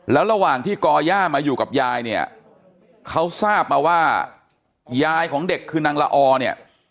แล้วระหว่างที่ก่อย่ามาอยู่กับยายเนี่ยเขาทราบมาว่ายายของเด็กคือนางละอเนี่ย